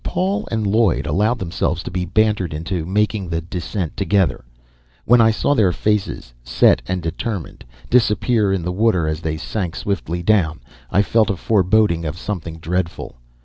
Paul and Lloyd allowed themselves to be bantered into making the descent together. When I saw their faces, set and determined, disappear in the water as they sank swiftly down, I felt a foreboding of something dreadful.